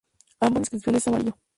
Ambas inscripciones en amarillo.